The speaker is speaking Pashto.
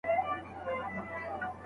مثبت فکر د ژوند لاره اسانوي.